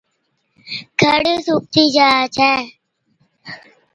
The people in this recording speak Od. کڙ سُوڪتِي جا ڇَي،